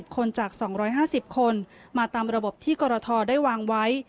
คนจาก๒๕๐คนมาตามระบบที่กรทได้วางไว้